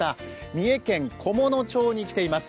三重県菰野町に来ています。